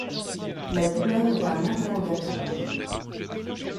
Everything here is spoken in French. La douleur est un interrogatoire.